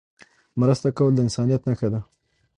مرسته کول د انسانيت نښه ده.